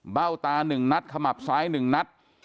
เบ้าตา๑นัดขมับซ้าย๑นัด